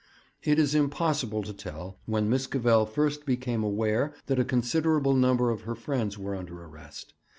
It is impossible to tell when Miss Cavell first became aware that a considerable number of her friends were under arrest.